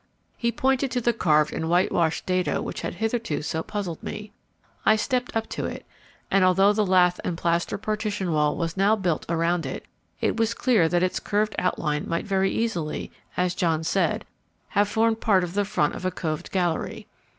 He pointed to the carved and whitewashed dado which had hitherto so puzzled me. I stepped up to it, and although the lath and plaster partition wall was now built around it, it was clear that its curved outline might very easily, as John said, have formed part of the front of a coved gallery.